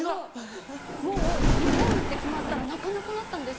もう日本って決まったら泣かなくなったんです。